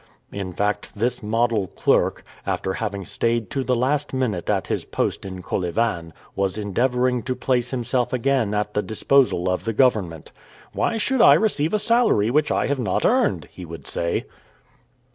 In fact, this model clerk, after having stayed to the last minute at his post in Kolyvan, was endeavoring to place himself again at the disposal of the government. "Why should I receive a salary which I have not earned?" he would say.